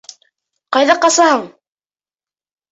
Ҡайҙа ҡасаһың?